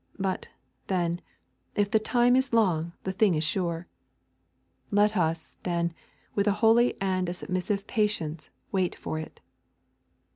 But, then, if the time is long the thing is sure. Let us, then, with a holy and a submissive patience wait for it.